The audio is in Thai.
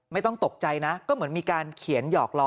ไม่ต้องตกใจนะก็เหมือนมีการเขียนหยอกล้อ